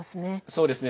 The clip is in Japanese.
そうですね。